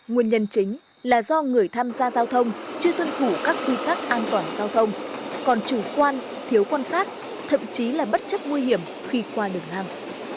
nguyên nhân chính là do người tham gia giao thông chưa tuân thủ các quy tắc an toàn giao thông còn chủ quan thiếu quan sát thậm chí là bất chấp nguy hiểm khi qua đường hàng